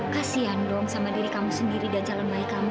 kasian dong sama diri kamu sendiri dan calon baik kamu